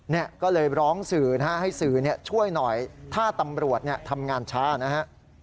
แนลก็เลยร้องสื่อให้สื่อช่วยหน่อยถ้าตังบรวดทำงานช้านะฮะ